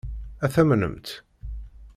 Ad t-amnent?